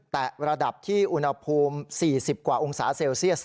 แต่ระดับที่อุณหภูมิ๔๐กว่าองศาเซลเซียส